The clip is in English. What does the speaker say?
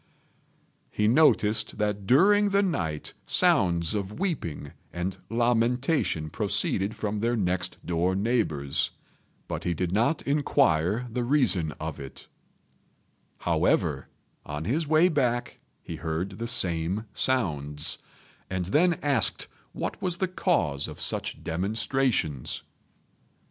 He noticed that during the night sounds of weeping and lamentation proceeded from their next door neighbours, but he did not inquire the reason of it; however, on his way back he heard the same sounds, and then asked what was the cause of such demonstrations.